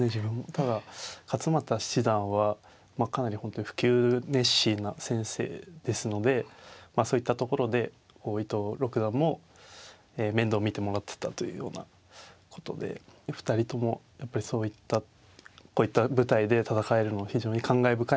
ただ勝又七段はかなり本当に普及熱心な先生ですのでそういったところで伊藤六段も面倒見てもらってたというようなことで２人ともやっぱりこういった舞台で戦えるのは非常に感慨深いものがあると思いますね。